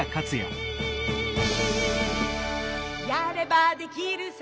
「やればできるさ